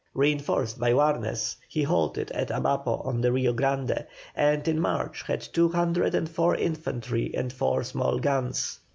Reinforced by Warnes he halted at Abapo on the Rio Grande, and in March had two hundred and four infantry and four small guns.